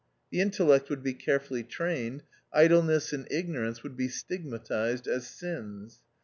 The intellect would be carefully trained ; idle ness and ignorance would be stigmatised as sins.